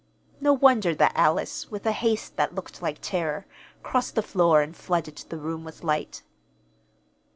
No wonder that Alice, with a haste that looked like terror, crossed the floor and flooded the room with light.